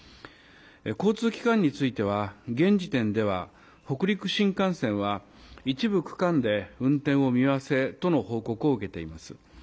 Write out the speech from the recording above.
交通機関については、現時点では、北陸新幹線は一部区間で運転を見合わせとの報告を受けています。